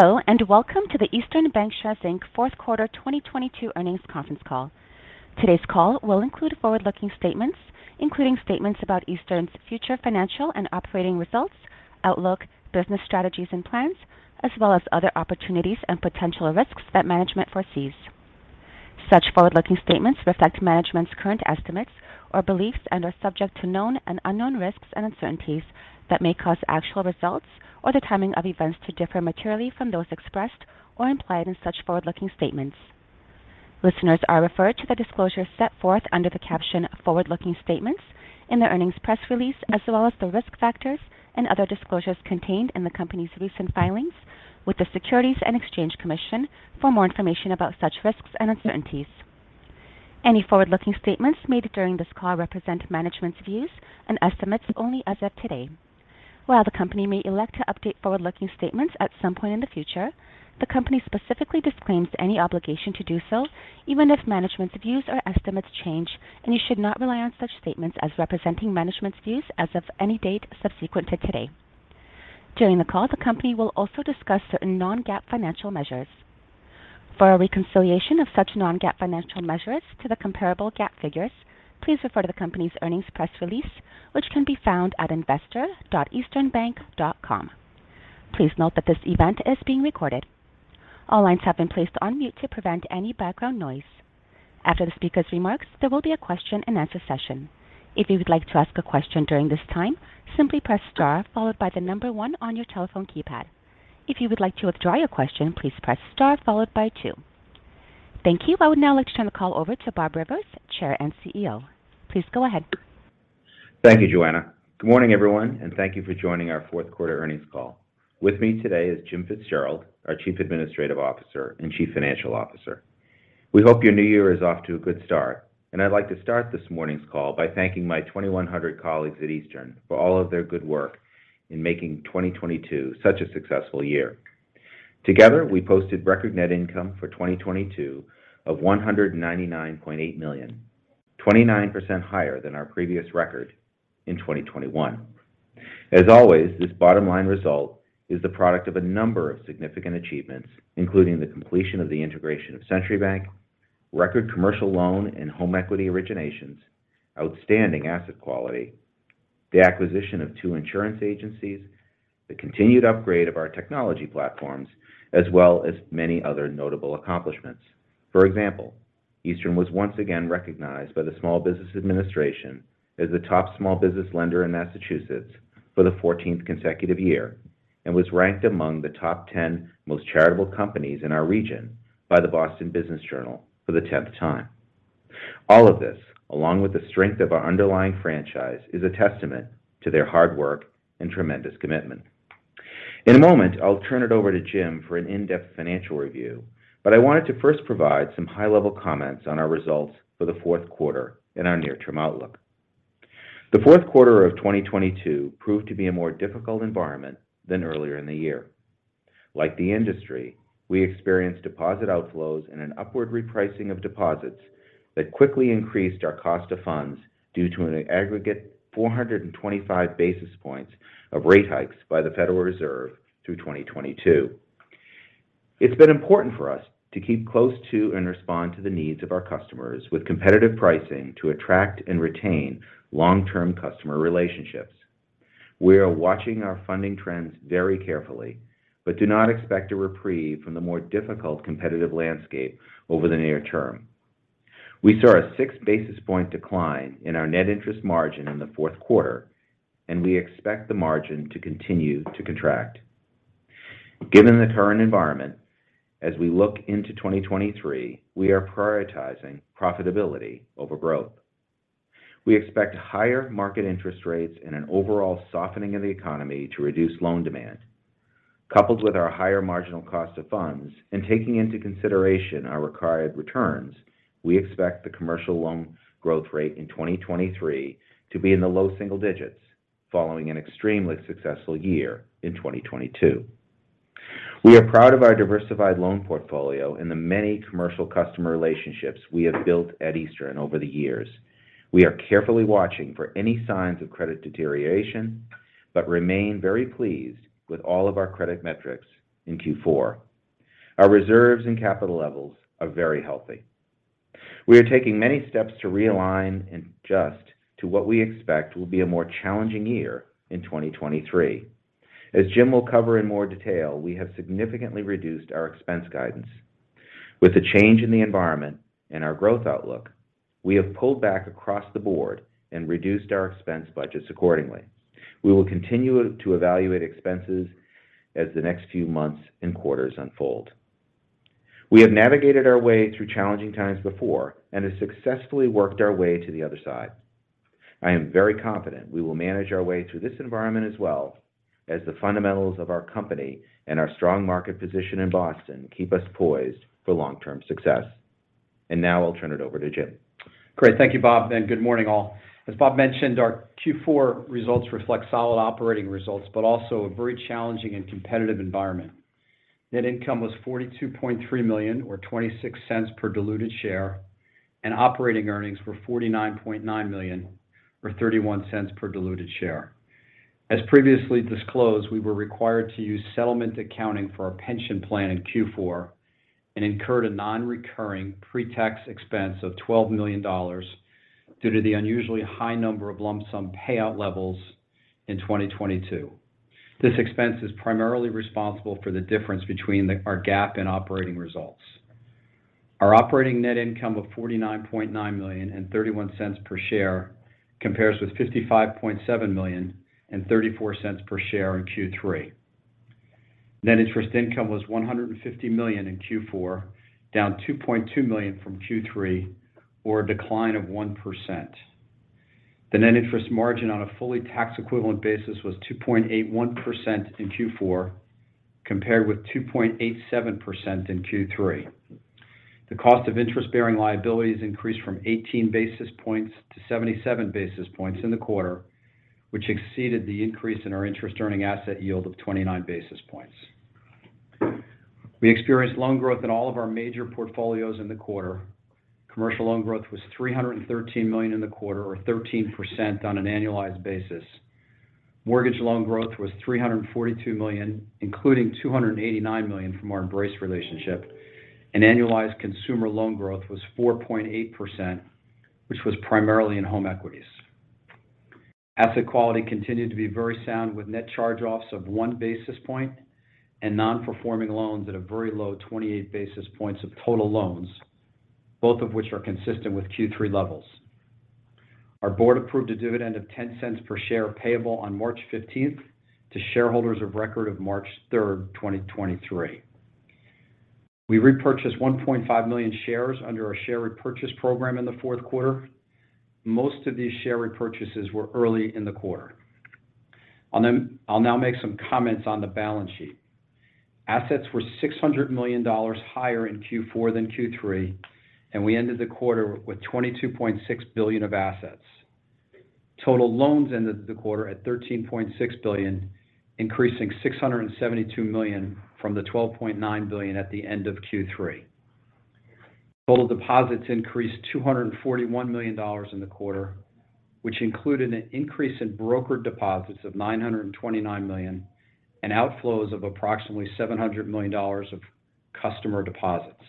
Hello, and welcome to the Eastern Bankshares' Fourth Quarter 2022 Earnings Conference Call. Today's call will include forward-looking statements, including statements about Eastern's future financial and operating results, outlook, business strategies and plans, as well as other opportunities and potential risks that management foresees. Such forward-looking statements reflect management's current estimates or beliefs under subject to known and unknown risks and uncertainties that may cause actual results or the timing of events to differ materially from those expressed or implied in such forward-looking statements. Listeners are referred to the disclosure set forth under the caption "Forward-Looking Statements" in the earnings press release, as well as the risk factors and other disclosures contained in the company's recent filings with the Securities and Exchange Commission for more information about such risks and uncertainties. Any forward-looking statements made during this call represent management's views and estimates only as of today. While the company may elect to update forward-looking statements at some point in the future, the company specifically disclaims any obligation to do so even if management's views or estimates change, and you should not rely on such statements as representing management's views as of any date subsequent to today. During the call, the company will also discuss certain non-GAAP financial measures. For a reconciliation of such non-GAAP financial measures to the comparable GAAP figures, please refer to the company's earnings press release, which can be found at investor.easternbank.com. Please note that this event is being recorded. All lines have been placed on mute to prevent any background noise. After the speaker's remarks, there will be a question and answer session. If you would like to ask a question during this time, simply press star followed by the number one on your telephone keypad. If you would like to withdraw your question, please press star followed by two. Thank you. I would now like to turn the call over to Bob Rivers, Chair and CEO. Please go ahead. Thank you, Joanna. Good morning, everyone, and thank you for joining our fourth quarter earnings call. With me today is Jim Fitzgerald, our Chief Administrative Officer and Chief Financial Officer. We hope your new year is off to a good start, and I'd like to start this morning's call by thanking my 2,100 colleagues at Eastern for all of their good work in making 2022 such a successful year. Together, we posted record net income for 2022 of $199.8 million, 29% higher than our previous record in 2021. As always, this bottom line result is the product of a number of significant achievements, including the completion of the integration of Century Bank, record commercial loan and home equity originations, outstanding asset quality, the acquisition of two insurance agencies, the continued upgrade of our technology platforms, as well as many other notable accomplishments. For example, Eastern was once again recognized by the Small Business Administration as the top small business lender in Massachusetts for the 14th consecutive year and was ranked among the top 10 most charitable companies in our region by the Boston Business Journal for the 10th time. All of this, along with the strength of our underlying franchise is a testament to their hard work and tremendous commitment. In a moment, I'll turn it over to Jim for an in-depth financial review, but I wanted to first provide some high-level comments on our results for the fourth quarter and our near-term outlook. The fourth quarter of 2022 proved to be a more difficult environment than earlier in the year. Like the industry, we experienced deposit outflows and an upward repricing of deposits that quickly increased our cost of funds due to an aggregate 425 basis points of rate hikes by the Federal Reserve through 2022. It's been important for us to keep close to and respond to the needs of our customers with competitive pricing to attract and retain long-term customer relationships. We are watching our funding trends very carefully but do not expect a reprieve from the more difficult competitive landscape over the near term. We saw a 6 basis point decline in our net interest margin in the fourth quarter, and we expect the margin to continue to contract. Given the current environment, as we look into 2023, we are prioritizing profitability over growth. We expect higher market interest rates and an overall softening of the economy to reduce loan demand. Coupled with our higher marginal cost of funds and taking into consideration our required returns, we expect the commercial loan growth rate in 2023 to be in the low single digits following an extremely successful year in 2022. We are proud of our diversified loan portfolio and the many commercial customer relationships we have built at Eastern over the years. We are carefully watching for any signs of credit deterioration but remain very pleased with all of our credit metrics in Q4. Our reserves and capital levels are very healthy. We are taking many steps to realign and adjust to what we expect will be a more challenging year in 2023. As Jim will cover in more detail, we have significantly reduced our expense guidance. With the change in the environment and our growth outlook, we have pulled back across the board and reduced our expense budgets accordingly. We will continue to evaluate expenses as the next few months and quarters unfold. We have navigated our way through challenging times before and have successfully worked our way to the other side. I am very confident we will manage our way through this environment as well as the fundamentals of our company and our strong market position in Boston keep us poised for long-term success. Now I'll turn it over to Jim. Great. Thank you, Bob, and good morning all. As Bob mentioned, our Q4 results reflect solid operating results but also a very challenging and competitive environment. Net income was $42.3 million or $0.26 per diluted share. Operating earnings were $49.9 million or $0.31 per diluted share. As previously disclosed, we were required to use settlement accounting for our pension plan in Q4 and incurred a non-recurring pre-tax expense of $12 million due to the unusually high number of lump sum payout levels in 2022. This expense is primarily responsible for the difference between our GAAP and operating results. Our operating net income of $49.9 million and $0.31 per share compares with $55.7 million and $0.34 per share in Q3. Net interest income was $150 million in Q4, down $2.2 million from Q3, or a decline of 1%. The net interest margin on a fully tax equivalent basis was 2.81% in Q4, compared with 2.87% in Q3. The cost of interest-bearing liabilities increased from 18 basis points to 77 basis points in the quarter, which exceeded the increase in our interest earning asset yield of 29 basis points. We experienced loan growth in all of our major portfolios in the quarter. Commercial loan growth was $313 million in the quarter, or 13% on an annualized basis. Mortgage loan growth was $342 million, including $289 million from our Embrace relationship. Annualized consumer loan growth was 4.8%, which was primarily in home equities. Asset quality continued to be very sound with net charge-offs of 1 basis point and non-performing loans at a very low 28 basis points of total loans, both of which are consistent with Q3 levels. Our board approved a dividend of $0.10 per share payable on March 15th to shareholders of record of March 3rd, 2023. We repurchased 1.5 million shares under our share repurchase program in the fourth quarter. Most of these share repurchases were early in the quarter. I'll now make some comments on the balance sheet. Assets were $600 million higher in Q4 than Q3, and we ended the quarter with $22.6 billion of assets. Total loans ended the quarter at $13.6 billion, increasing $672 million from the $12.9 billion at the end of Q3. Total deposits increased $241 million in the quarter, which included an increase in brokered deposits of $929 million and outflows of approximately $700 million of customer deposits.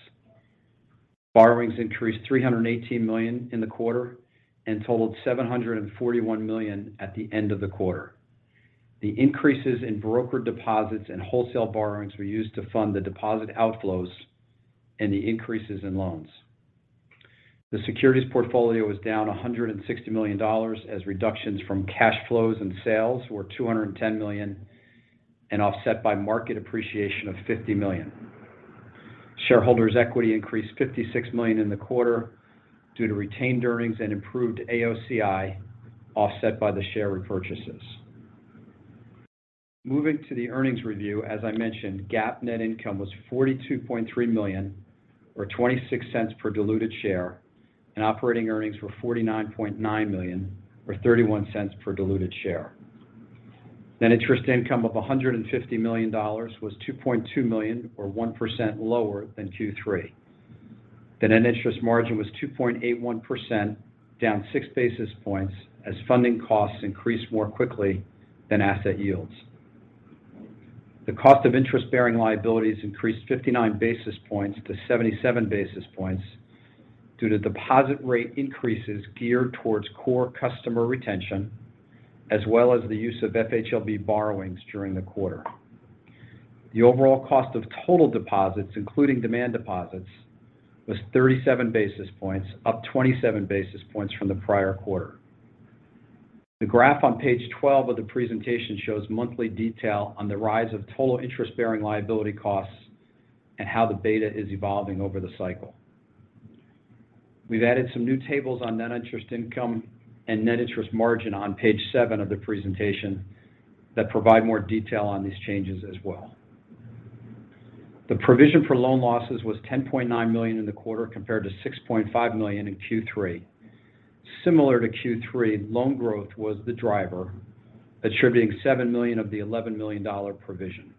Borrowings increased $318 million in the quarter and totaled $741 million at the end of the quarter. The increases in brokered deposits and wholesale borrowings were used to fund the deposit outflows and the increases in loans. The securities portfolio was down $160 million as reductions from cash flows and sales were $210 million and offset by market appreciation of $50 million. Shareholders' equity increased $56 million in the quarter due to retained earnings and improved AOCI, offset by the share repurchases. Moving to the earnings review, as I mentioned, GAAP net income was $42.3 million or $0.26 per diluted share, and operating earnings were $49.9 million or $0.31 per diluted share. Net interest income of $150 million was $2.2 million or 1% lower than Q3. The net interest margin was 2.81%, down 6 basis points as funding costs increased more quickly than asset yields. The cost of interest-bearing liabilities increased 59 basis points to 77 basis points due to deposit rate increases geared towards core customer retention, as well as the use of FHLB borrowings during the quarter. The overall cost of total deposits, including demand deposits, was 37 basis points, up 27 basis points from the prior quarter. The graph on page 12 of the presentation shows monthly detail on the rise of total interest-bearing liability costs and how the beta is evolving over the cycle. We've added some new tables on net interest income and net interest margin on page seven of the presentation that provide more detail on these changes as well. The provision for loan losses was $10.9 million in the quarter compared to $6.5 million in Q3. Similar to Q3, loan growth was the driver attributing $7 million of the $11 million provision.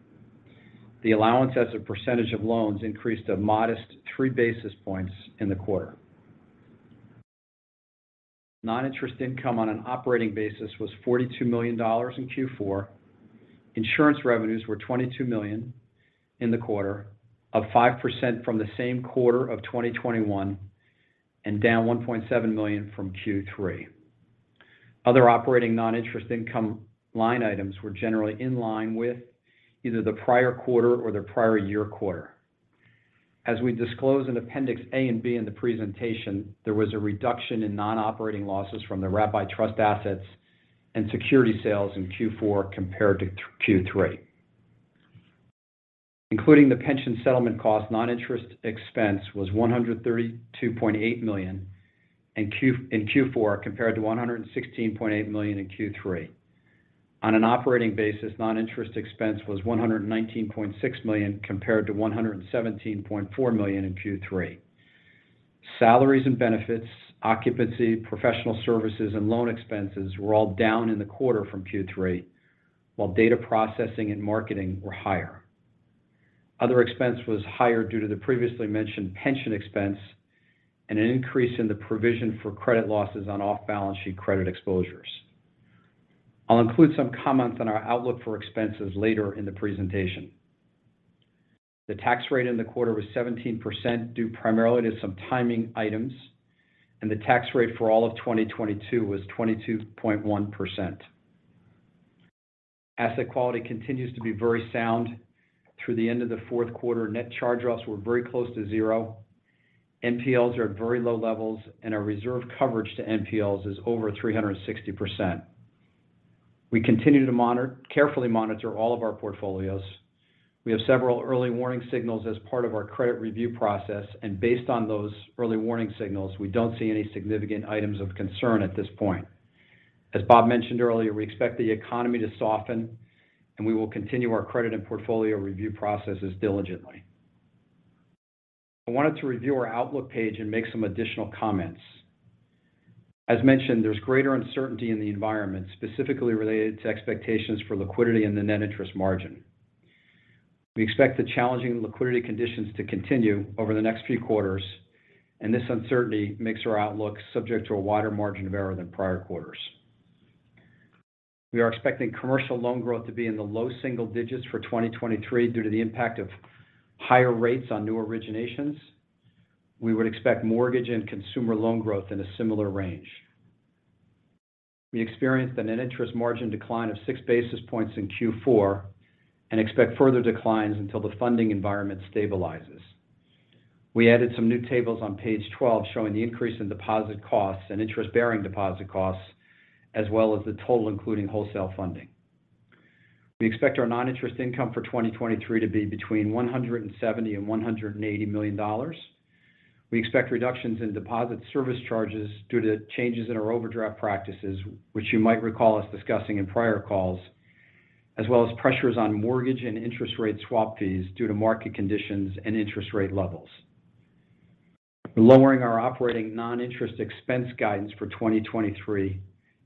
The allowance as a percentage of loans increased a modest 3 basis points in the quarter. Non-interest income on an operating basis was $42 million in Q4. Insurance revenues were $22 million in the quarter, up 5% from the same quarter of 2021 and down $1.7 million from Q3. Other operating non-interest income line items were generally in line with either the prior quarter or the prior year quarter. As we disclose in Appendix A and B in the presentation, there was a reduction in non-operating losses from the Rabbi Trust assets and security sales in Q4 compared to Q3. Including the pension settlement cost, non-interest expense was $132.8 million in Q4, compared to $116.8 million in Q3. On an operating basis, non-interest expense was $119.6 million, compared to $117.4 million in Q3. Salaries and benefits, occupancy, professional services, and loan expenses were all down in the quarter from Q3, while data processing and marketing were higher. Other expense was higher due to the previously mentioned pension expense and an increase in the provision for credit losses on off-balance sheet credit exposures. I'll include some comments on our outlook for expenses later in the presentation. The tax rate in the quarter was 17% due primarily to some timing items, and the tax rate for all of 2022 was 22.1%. Asset quality continues to be very sound. Through the end of the fourth quarter, net charge-offs were very close to zero. NPLs are at very low levels, and our reserve coverage to NPLs is over 360%. We continue to carefully monitor all of our portfolios. We have several early warning signals as part of our credit review process, and based on those early warning signals, we don't see any significant items of concern at this point. As Bob mentioned earlier, we expect the economy to soften, and we will continue our credit and portfolio review processes diligently. I wanted to review our outlook page and make some additional comments. As mentioned, there's greater uncertainty in the environment, specifically related to expectations for liquidity and the net interest margin. We expect the challenging liquidity conditions to continue over the next few quarters, and this uncertainty makes our outlook subject to a wider margin of error than prior quarters. We are expecting commercial loan growth to be in the low single digits for 2023 due to the impact of higher rates on new originations. We would expect mortgage and consumer loan growth in a similar range. We experienced a net interest margin decline of 6 basis points in Q4 and expect further declines until the funding environment stabilizes. We added some new tables on page 12 showing the increase in deposit costs and interest-bearing deposit costs, as well as the total including wholesale funding. We expect our non-interest income for 2023 to be between $170 million and $180 million. We expect reductions in deposit service charges due to changes in our overdraft practices, which you might recall us discussing in prior calls, as well as pressures on mortgage and interest rate swap fees due to market conditions and interest rate levels. We're lowering our operating non-interest expense guidance for 2023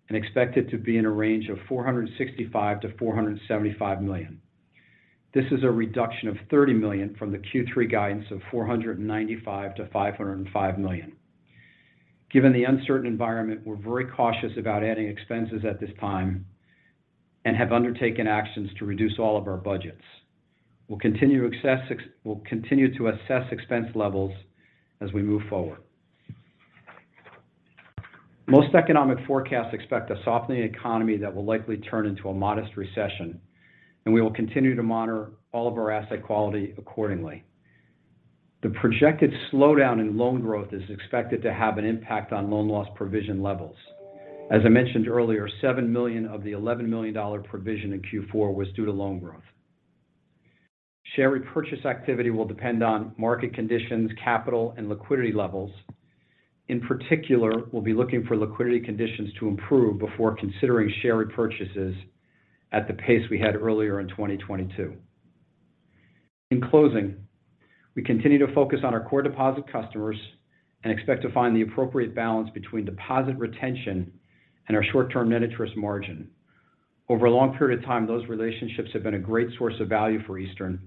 and expect it to be in a range of $465 million-$475 million. This is a reduction of $30 million from the Q3 guidance of $495 million-$505 million. Given the uncertain environment, we're very cautious about adding expenses at this time and have undertaken actions to reduce all of our budgets. We'll continue to assess expense levels as we move forward. Most economic forecasts expect a softening economy that will likely turn into a modest recession. We will continue to monitor all of our asset quality accordingly. The projected slowdown in loan growth is expected to have an impact on loan loss provision levels. As I mentioned earlier, $7 million of the $11 million provision in Q4 was due to loan growth. Share repurchase activity will depend on market conditions, capital, and liquidity levels. In particular, we'll be looking for liquidity conditions to improve before considering share repurchases at the pace we had earlier in 2022. In closing, we continue to focus on our core deposit customers and expect to find the appropriate balance between deposit retention and our short-term net interest margin. Over a long period of time, those relationships have been a great source of value for Eastern,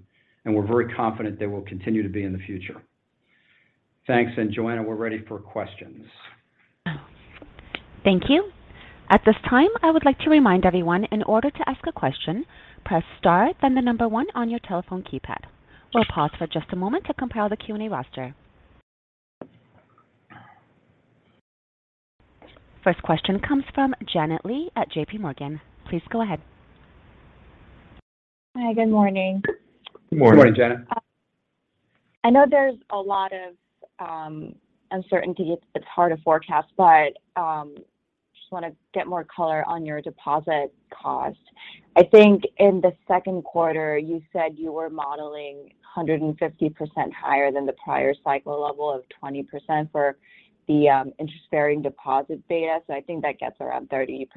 and we're very confident they will continue to be in the future. Thanks, and Joanna, we're ready for questions. Thank you. At this time, I would like to remind everyone in order to ask a question, press star, then the number one on your telephone keypad. We'll pause for just a moment to compile the Q&A roster. First question comes from Janet Lee at JPMorgan. Please go ahead. Hi, good morning. Good morning. Good morning, Janet. I know there's a lot of uncertainty. It's hard to forecast, just want to get more color on your deposit cost. I think in the 2Q, you said you were modeling 150% higher than the prior cycle level of 20% for the interest-bearing deposit beta. I think that gets around 30%.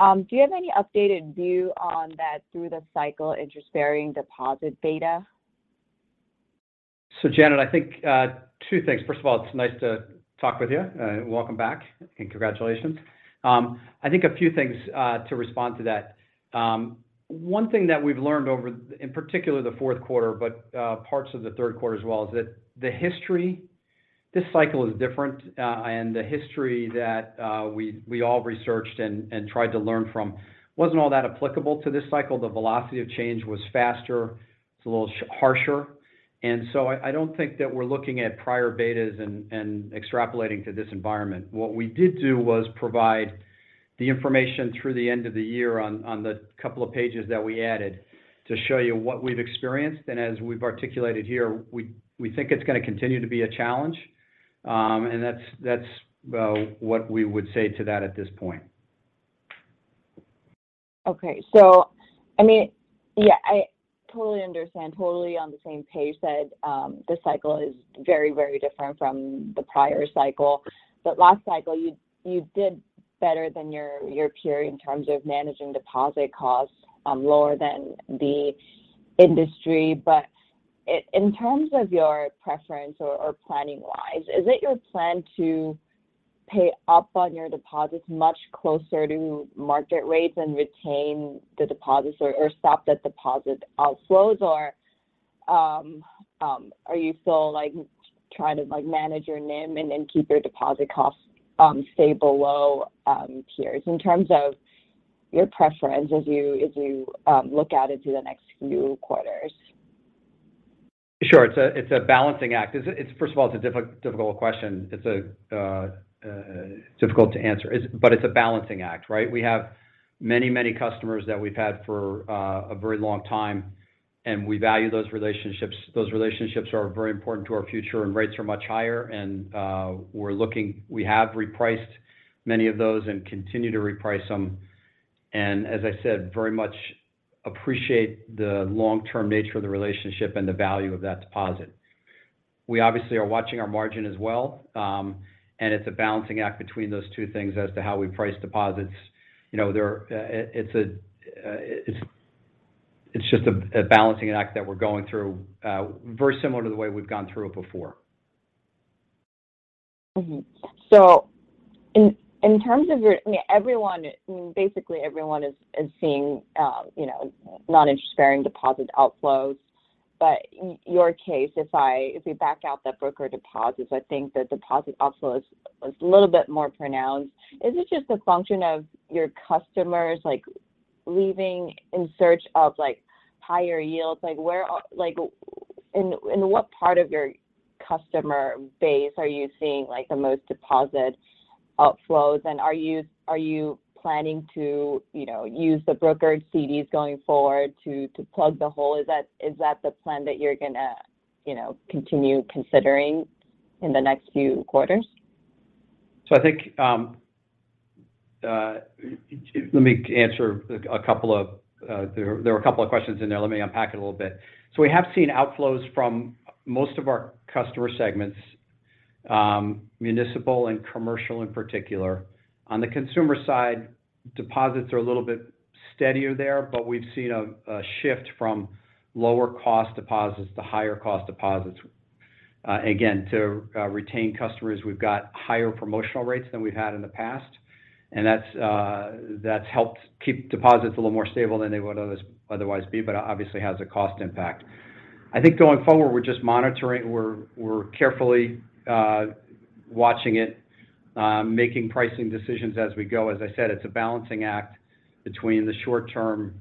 Do you have any updated view on that through-the-cycle interest-bearing deposit beta? Janet, I think two things. First of all, it's nice to talk with you. Welcome back, and congratulations. I think a few things to respond to that. One thing that we've learned over in particular the fourth quarter but parts of the third quarter as well, is that the history this cycle is different. The history that we all researched and tried to learn from wasn't all that applicable to this cycle. The velocity of change was faster. It's a little harsher. I don't think that we're looking at prior betas and extrapolating to this environment. What we did do was provide the information through the end of the year on the couple of pages that we added to show you what we've experienced. As we've articulated here, we think it's going to continue to be a challenge. That's what we would say to that at this point. Okay. I mean, yeah, I totally understand, totally on the same page that this cycle is very, very different from the prior cycle. Last cycle, you did better than your peer in terms of managing deposit costs, lower than the industry. In terms of your preference or planning-wise, is it your plan to pay up on your deposits much closer to market rates and retain the deposits or stop the deposit outflows? Are you still, like, trying to, like, manage your NIM and then keep your deposit costs, stay below peers in terms of your preference as you look out into the next few quarters? Sure. It's a balancing act. First of all, it's a difficult question. It's difficult to answer. It's a balancing act, right? We have many customers that we've had for a very long time, and we value those relationships. Those relationships are very important to our future. Rates are much higher. We have repriced many of those and continue to reprice them. As I said, very much appreciate the long-term nature of the relationship and the value of that deposit. We obviously are watching our margin as well, and it's a balancing act between those two things as to how we price deposits. You know, there, it's just a balancing act that we're going through, very similar to the way we've gone through it before. In terms of your, I mean, everyone, I mean, basically everyone is seeing, you know, non-interest-bearing deposit outflows. In your case, if we back out the broker deposits, I think the deposit outflow is a little bit more pronounced. Is it just a function of your customers, like, leaving in search of, like, higher yields? Like, where are, like, in what part of your customer base are you seeing, like, the most deposit outflows? Are you planning to, you know, use the brokered CDs going forward to plug the hole? Is that the plan that you're gonna, you know, continue considering in the next few quarters? I think, let me answer a couple of questions in there. Let me unpack it a little bit. We have seen outflows from most of our customer segments, municipal and commercial in particular. On the consumer side, deposits are a little bit steadier there, but we've seen a shift from lower cost deposits to higher cost deposits. Again, to retain customers, we've got higher promotional rates than we've had in the past. That's that's helped keep deposits a little more stable than they would otherwise be, but obviously has a cost impact. I think going forward, we're just monitoring. We're carefully watching it, making pricing decisions as we go. As I said, it's a balancing act between the short-term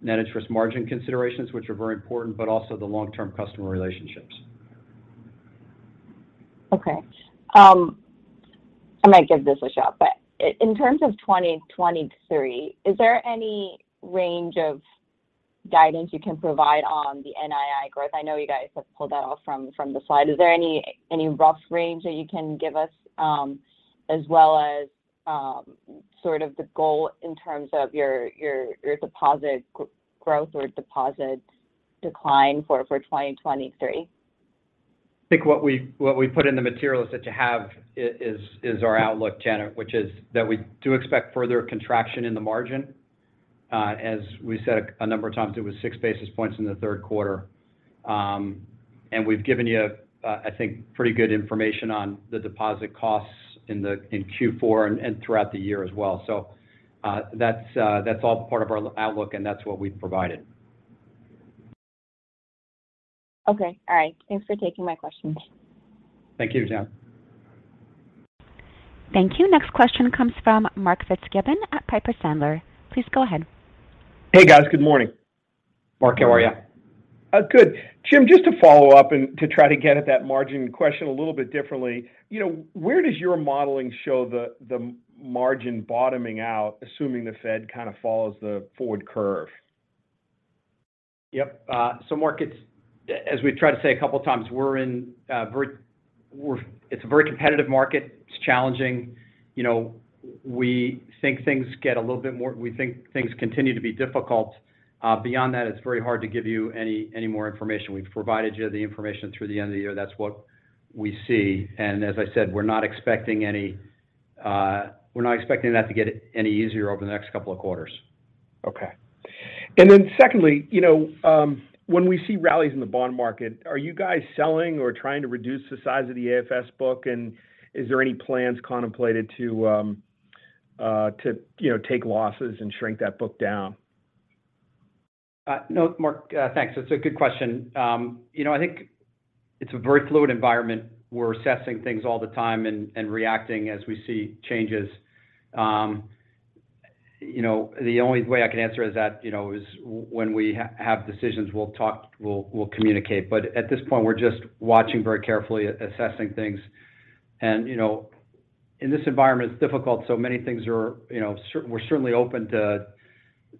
net interest margin considerations, which are very important, but also the long-term customer relationships. Okay. I might give this a shot, but in terms of 2023, is there any range of guidance you can provide on the NII growth? I know you guys have pulled that all from the slide. Is there any rough range that you can give us, as well as, sort of the goal in terms of your deposit growth or deposit decline for 2023? I think what we put in the materials that you have is our outlook, Jenna, which is that we do expect further contraction in the margin. As we said a number of times, it was 6 basis points in the third quarter. And we've given you, I think, pretty good information on the deposit costs in Q4 and throughout the year as well. That's all part of our outlook, and that's what we've provided. Okay. All right. Thanks for taking my questions. Thank you, Janet. Thank you. Next question comes from Mark Fitzgibbon at Piper Sandler. Please go ahead. Hey, guys. Good morning. Mark, how are you? Good. Jim, just to follow up and to try to get at that margin question a little bit differently, you know, where does your modeling show the margin bottoming out, assuming the Fed kind of follows the forward curve? Yep. Mark, as we tried to say a couple of times, it's a very competitive market. It's challenging. You know, we think things continue to be difficult. Beyond that, it's very hard to give you any more information. We've provided you the information through the end of the year. That's what we see. As I said, we're not expecting that to get any easier over the next couple of quarters. Okay. Secondly, you know, when we see rallies in the bond market, are you guys selling or trying to reduce the size of the AFS book? Is there any plans contemplated to, you know, take losses and shrink that book down? No. Mark, thanks. That's a good question. You know, I think it's a very fluid environment. We're assessing things all the time and reacting as we see changes. You know, the only way I can answer is that, you know, when we have decisions, we'll talk, we'll communicate. At this point, we're just watching very carefully, assessing things. You know, in this environment, it's difficult, so many things are, you know, we're certainly open to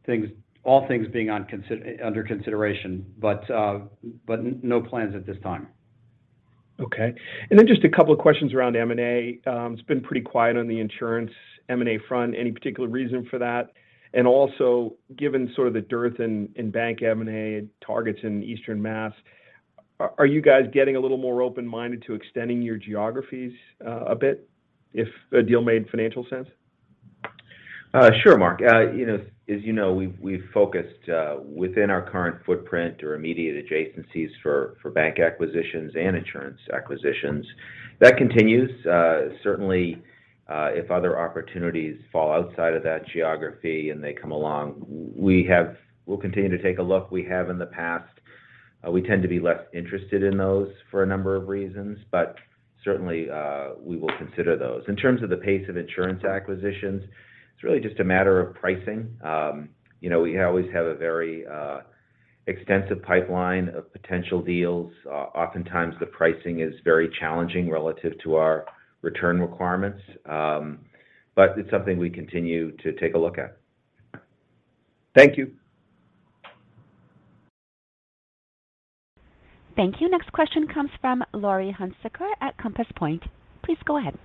things, all things being under consideration. No plans at this time. Okay. Just a couple of questions around M&A. It's been pretty quiet on the insurance M&A front. Any particular reason for that? Also, given sort of the dearth in bank M&A targets in Eastern Mass, are you guys getting a little more open-minded to extending your geographies, a bit if a deal made financial sense? Sure, Mark. You know, as you know, we've focused within our current footprint or immediate adjacencies for bank acquisitions and insurance acquisitions. That continues. Certainly, if other opportunities fall outside of that geography and they come along, we'll continue to take a look. We have in the past. We tend to be less interested in those for a number of reasons, but certainly, we will consider those. In terms of the pace of insurance acquisitions, it's really just a matter of pricing. You know, we always have a very extensive pipeline of potential deals. Oftentimes the pricing is very challenging relative to our return requirements. It's something we continue to take a look at. Thank you. Thank you. Next question comes from Laurie Hunsicker at Compass Point. Please go ahead.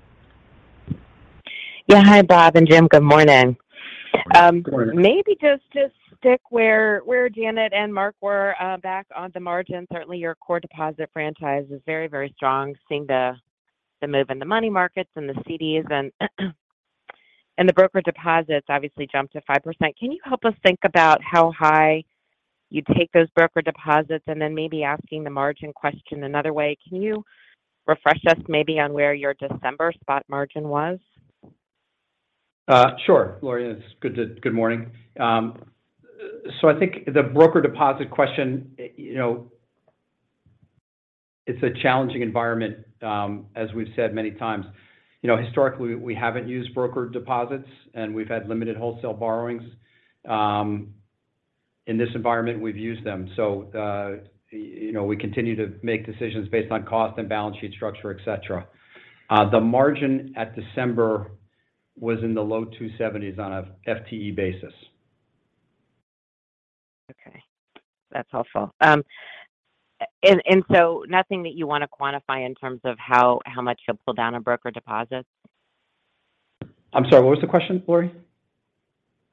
Yeah. Hi, Bob and Jim. Good morning. Good morning. Maybe just to stick where Janet and Mark were back on the margin. Certainly, your core deposit franchise is very, very strong seeing the move in the money markets and the CDs and the broker deposits obviously jumped to 5%. Can you help us think about how high you take those broker deposits? Maybe asking the margin question another way, can you refresh us maybe on where your December spot margin was? Sure. Laurie, it's good morning. I think the broker deposit question, you know, it's a challenging environment, as we've said many times. You know, historically we haven't used broker deposits, and we've had limited wholesale borrowings. In this environment, we've used them. You know, we continue to make decisions based on cost and balance sheet structure, et cetera. The margin at December was in the low 270s on a FTE basis. Okay. That's helpful. Nothing that you want to quantify in terms of how much you'll pull down on broker deposits? I'm sorry, what was the question, Laurie?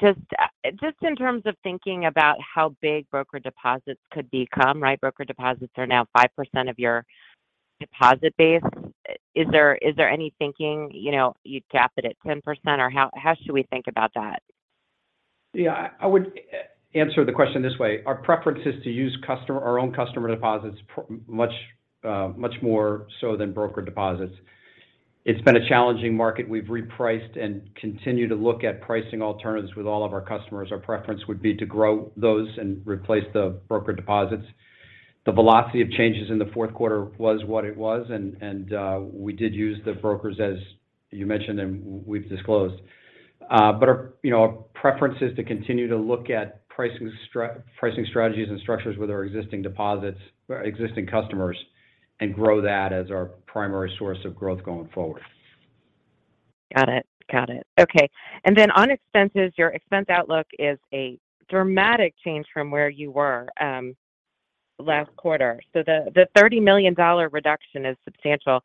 Just, just in terms of thinking about how big broker deposits could become, right? Broker deposits are now 5% of your deposit base. Is there any thinking, you know, you'd cap it at 10%, or how should we think about that? Yeah. I would answer the question this way. Our preference is to use our own customer deposits much, much more so than broker deposits. It's been a challenging market. We've repriced and continue to look at pricing alternatives with all of our customers. Our preference would be to grow those and replace the broker deposits. The velocity of changes in the fourth quarter was what it was, and we did use the brokers, as you mentioned and we've disclosed. Our, you know, our preference is to continue to look at pricing strategies and structures with our existing customers and grow that as our primary source of growth going forward. Got it. Got it. Okay. On expenses, your expense outlook is a dramatic change from where you were last quarter. The $30 million reduction is substantial.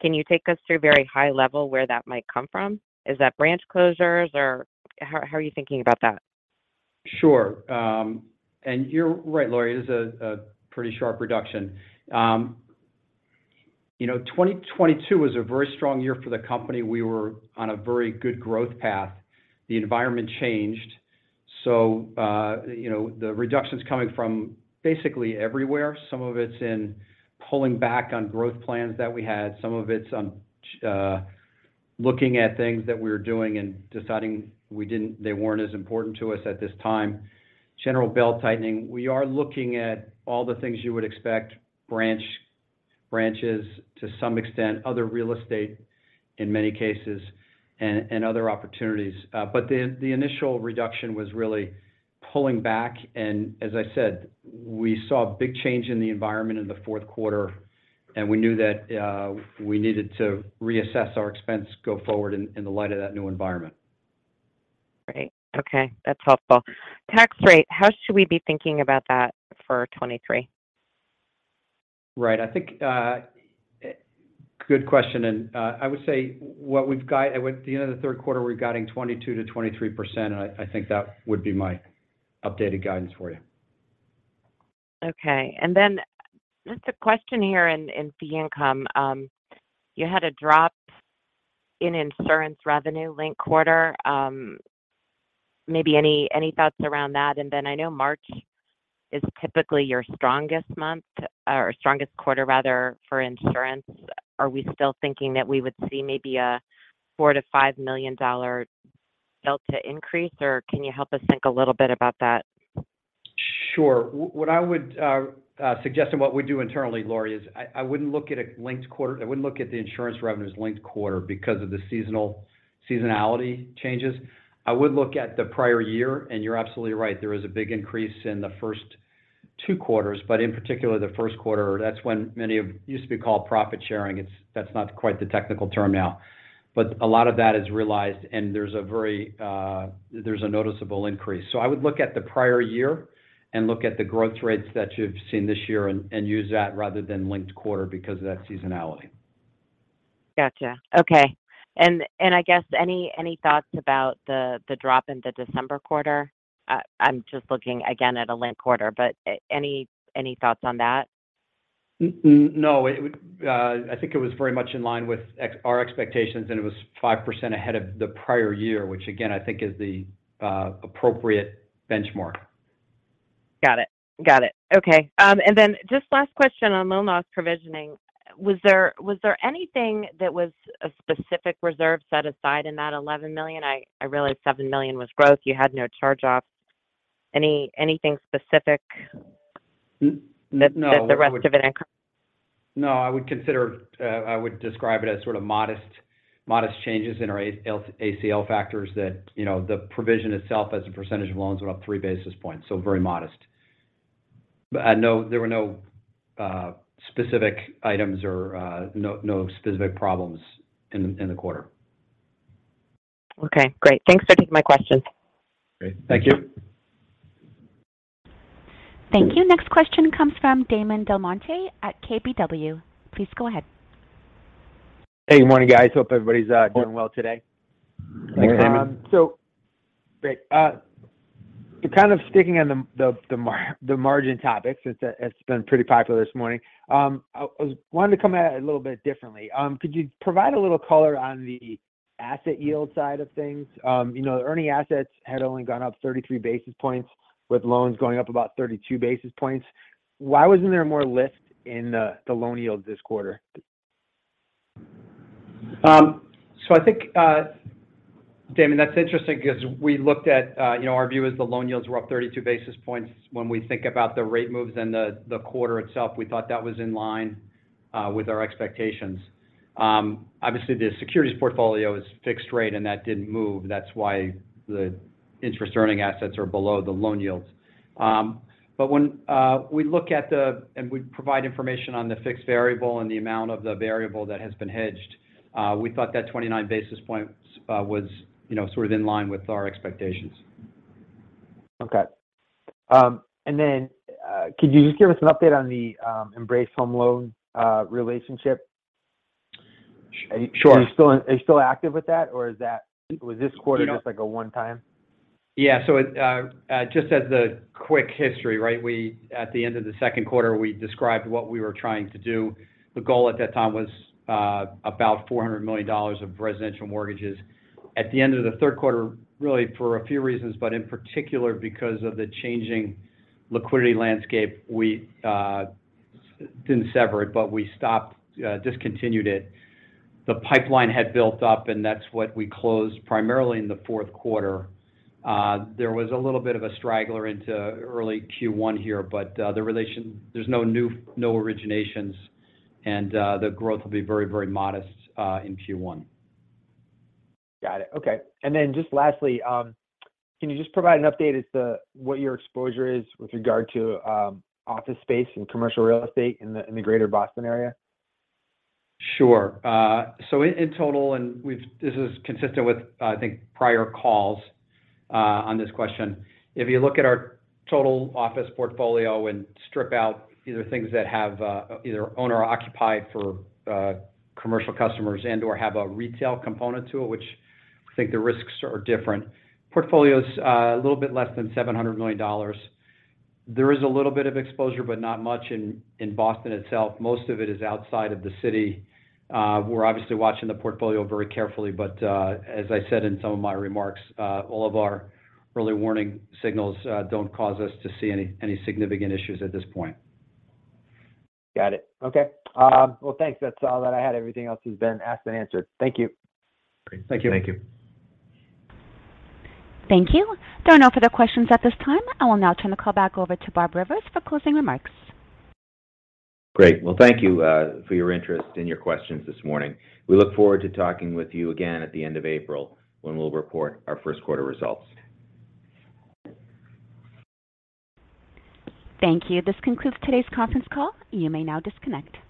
Can you take us through very high level where that might come from? Is that branch closures or how are you thinking about that? Sure. And you're right, Laurie, it is a pretty sharp reduction. You know, 2022 was a very strong year for the company. We were on a very good growth path. The environment changed. You know, the reduction's coming from basically everywhere. Some of it's in pulling back on growth plans that we had. Some of it's on, looking at things that we were doing and deciding they weren't as important to us at this time. General belt tightening. We are looking at all the things you would expect. branches to some extent, other real estate in many cases, and other opportunities. The, the initial reduction was really pulling back. As I said, we saw a big change in the environment in the fourth quarter, and we knew that we needed to reassess our expense go forward in the light of that new environment. Great. Okay, that's helpful. Tax rate. How should we be thinking about that for 2023? Right. I think, good question. I would say what we've at the end of the third quarter, we're guiding 22%-23%. I think that would be my updated guidance for you. Okay. Just a question here in fee income. You had a drop in insurance revenue linked quarter. Maybe any thoughts around that? I know March is typically your strongest month or strongest quarter rather for insurance. Are we still thinking that we would see maybe a $4 million-$5 million delta increase, or can you help us think a little bit about that? Sure. What I would suggest and what we do internally, Laurie, is I wouldn't look at a linked quarter. I wouldn't look at the insurance revenues linked quarter because of the seasonality changes. I would look at the prior year. You're absolutely right, there is a big increase in the first two quarters. In particular, the first quarter, that's when many of used to be called profit sharing. That's not quite the technical term now. A lot of that is realized, and there's a very, there's a noticeable increase. I would look at the prior year and look at the growth rates that you've seen this year and use that rather than linked quarter because of that seasonality. Gotcha. Okay. I guess any thoughts about the drop in the December quarter? I'm just looking again at a linked quarter, but any thoughts on that? No, I think it was very much in line with our expectations, and it was 5% ahead of the prior year, which again, I think is the appropriate benchmark. Got it. Got it. Okay. Then just last question on loan loss provisioning. Was there anything that was a specific reserve set aside in that $11 million? I realize $7 million was growth. You had no charge-offs. Anything specific? N-no. That the rest of it. No, I would describe it as sort of modest changes in our A-L-ACL factors that, you know, the provision itself as a percentage of loans went up 3 basis points, so very modest. No, there were no specific items or no specific problems in the quarter. Okay, great. Thanks for taking my questions. Great. Thank you. Thank you. Next question comes from Damon DelMonte at KBW. Please go ahead. Hey, good morning, guys. Hope everybody's doing well today. Thanks, Damon. Great. kind of sticking on the margin topics. It's been pretty popular this morning. I wanted to come at it a little bit differently. Could you provide a little color on the asset yield side of things? you know, the earning assets had only gone up 33 basis points with loans going up about 32 basis points. Why wasn't there more lift in the loan yields this quarter? I think, Damon, that's interesting because we looked at, our view is the loan yields were up 32 basis points. When we think about the rate moves in the quarter itself, we thought that was in line with our expectations. Obviously, the securities portfolio is fixed rate, and that didn't move. That's why the interest earning assets are below the loan yields. When we look at and we provide information on the fixed variable and the amount of the variable that has been hedged, we thought that 29 basis points was sort of in line with our expectations. Okay. Could you just give us an update on the Embrace Home Loan relationship? Sure. Are you still active with that, or was this quarter just like a one-time? It, just as a quick history, right? At the end of the second quarter, we described what we were trying to do. The goal at that time was about $400 million of residential mortgages. At the end of the third quarter, really for a few reasons, but in particular because of the changing liquidity landscape, we didn't sever it, but we stopped, discontinued it. The pipeline had built up, and that's what we closed primarily in the fourth quarter. There was a little bit of a straggler into early Q1 here, but there's no new, no originations, and the growth will be very, very modest in Q1. Got it. Okay. Just lastly, can you just provide an update as to what your exposure is with regard to office space and commercial real estate in the Greater Boston area? Sure. In total, this is consistent with, I think, prior calls on this question. If you look at our total office portfolio and strip out either things that have, either owner occupied for, commercial customers and/or have a retail component to it, which I think the risks are different. Portfolio's a little bit less than $700 million. There is a little bit of exposure, but not much in Boston itself. Most of it is outside of the city. We're obviously watching the portfolio very carefully, but as I said in some of my remarks, all of our early warning signals don't cause us to see any significant issues at this point. Got it. Okay. Thanks. That's all that I had. Everything else has been asked and answered. Thank you. Great. Thank you. Thank you. There are no further questions at this time. I will now turn the call back over to Bob Rivers for closing remarks. Great. Thank you for your interest and your questions this morning. We look forward to talking with you again at the end of April when we'll report our first quarter results. Thank you. This concludes today's conference call. You may now disconnect.